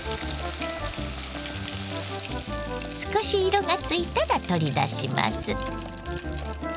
少し色がついたら取り出します。